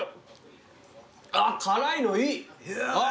あっ辛いのいい！